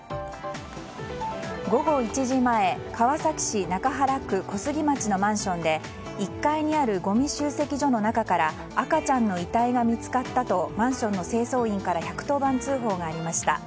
午後１時前、川崎市中原区のマンシンで１階にある、ごみ集積所の中から赤ちゃんの遺体が見つかったとマンションの清掃員から１１０番通報がありました。